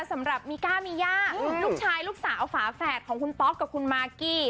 สำหรับมีก้ามีย่าลูกชายลูกสาวฝาแฝดของคุณป๊อกกับคุณมากกี้